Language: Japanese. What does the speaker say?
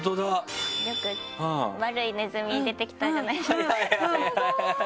よく悪いネズミ出てきたじゃないジョーカー。